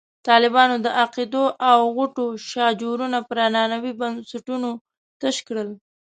طالبانو د عقدو او غوټو شاجورونه پر عنعنوي بنسټونو تش کړل.